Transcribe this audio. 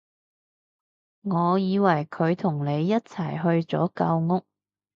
我以為佢同你一齊去咗舊屋